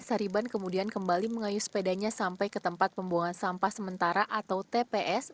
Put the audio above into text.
sariban kemudian kembali mengayu sepedanya sampai ke tempat pembuangan sampah sementara atau tps